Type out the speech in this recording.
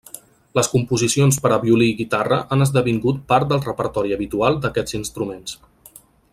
Les composicions per a violí i guitarra han esdevingut part del repertori habitual d'aquests instruments.